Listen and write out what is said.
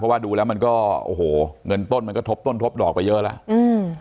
ว่าดูแล้วมันก็โอ้โหเงินต้นมันก็ทบต้นทบดอกไปเยอะแล้วอืม